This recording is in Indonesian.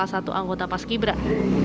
satu anggota paski berak